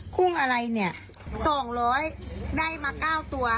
กุ้งอะไรเนี่ย๒๐๐ได้มา๙ตัว